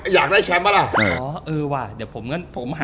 อยากได้แชมป์ปะล่ะอ๋อเออว่าเดี๋ยวผมหา